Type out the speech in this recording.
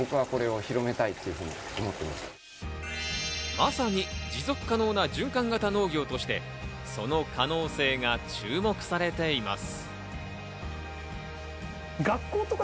まさに持続可能な循環型農業として、その可能性が注目されています。